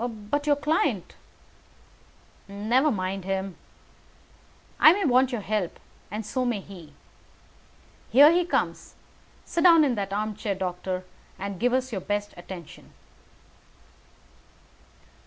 "But your client " "Never mind him. I may want your help, and so may he. Here he comes. Sit down in that armchair, doctor, and give us your best attention."